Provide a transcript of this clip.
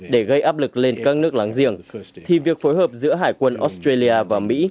để gây áp lực lên các nước láng giềng thì việc phối hợp giữa hải quân australia và mỹ